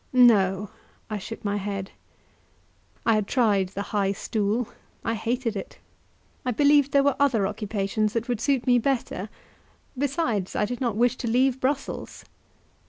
"No." I shook my head. I had tried the high stool; I hated it; I believed there were other occupations that would suit me better; besides I did not wish to leave Brussels.